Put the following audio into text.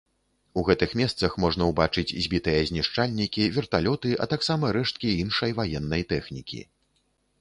У гэтых месцах можна ўбачыць збітыя знішчальнікі, верталёты, а таксама рэшткі іншай ваеннай тэхнікі.